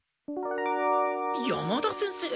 山田先生？